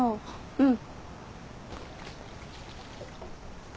うん。